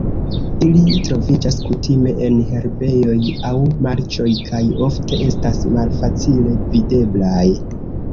Ili troviĝas kutime en herbejoj aŭ marĉoj kaj ofte estas malfacile videblaj.